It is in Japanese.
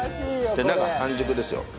中半熟ですよ。